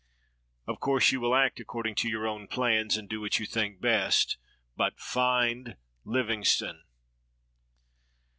Of course, you will act according to your own plans, and do what you think best — but find Livingstone